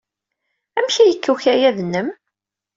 Amek ay yekka ukayad-nwent?